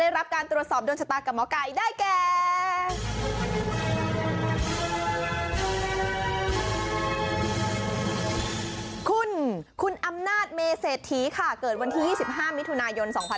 ถามมาเรื่องของการงานสุขภาพและโชคลาภท่า